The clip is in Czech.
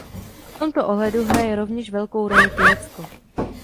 V tomto ohledu hraje rovněž velkou roli Turecko.